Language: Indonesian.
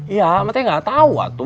ya matanya gak tau atu